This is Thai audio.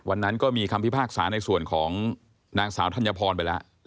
วันนั้นก็มีคำพิพากษาในส่วนของนางสาวธัญพรไปแล้ว